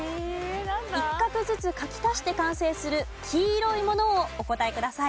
一画ずつ書き足して完成する黄色いものをお答えください。